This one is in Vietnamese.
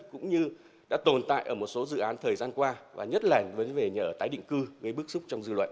cũng như đã tồn tại ở một số dự án thời gian qua và nhất là về nhà ở tái định cư với bước xúc trong dư luận